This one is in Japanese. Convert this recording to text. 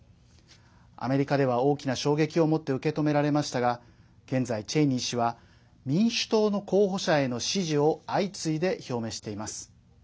アメリカでは大きな衝撃を持って受け止められましたが現在、チェイニー氏は民主党の候補者への支持を相次いで表明しています。